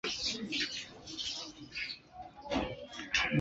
沃尔纳特科纳是位于美国阿肯色州菲利普斯县的一个非建制地区。